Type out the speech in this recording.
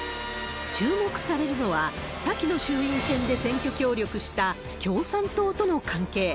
注目されるのは、先の衆院選で選挙協力した共産党との関係。